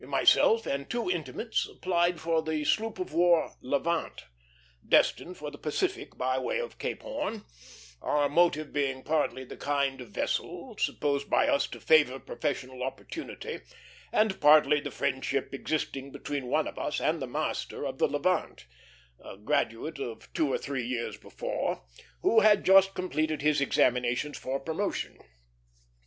Myself and two intimates applied for the sloop of war Levant, destined for the Pacific by way of Cape Horn; our motive being partly the kind of vessel, supposed by us to favor professional opportunity, and partly the friendship existing between one of us and the master of the Levant, a graduate of two or three years before, who had just completed his examinations for promotion.